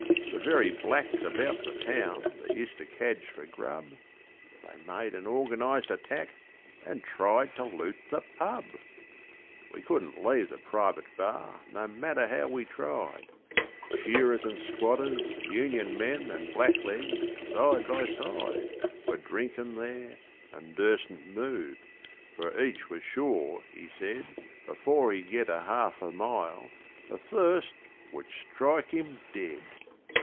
The very blacks about the town that used to cadge for grub, They made an organised attack and tried to loot the pub. 'We couldn't leave the private bar no matter how we tried; Shearers and squatters, union men and blacklegs side by side Were drinkin' there and dursn't move, for each was sure, he said, Before he'd get a half a mile the thirst would strike him dead!